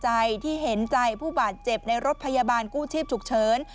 ใจที่เห็นใจผู้บาดเจ็บในรถพยาบาลกู้ชีพฉุกเฉิน